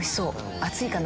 熱いかな？